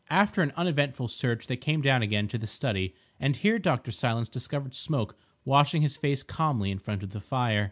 After an uneventful search they came down again to the study, and here Dr. Silence discovered Smoke washing his face calmly in front of the fire.